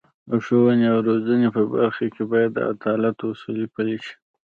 د ښوونې او روزنې په برخه کې باید د عدالت اصول پلي شي.